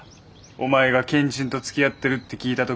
お前がけんちんとつきあってるって聞いた時。